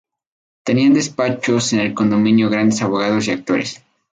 Tenían despachos en el condominio grandes abogados y actores.